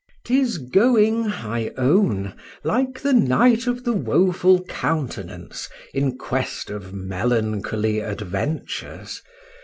'Tis going, I own, like the Knight of the Woeful Countenance in quest of melancholy adventures.